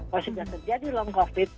kalau sudah terjadi long covid